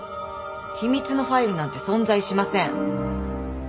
秘密のファイルなんて存在しません。